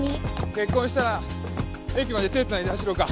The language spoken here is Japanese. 結婚したら駅まで手つないで走ろうか？